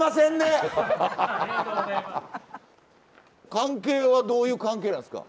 関係はどういう関係なんですか？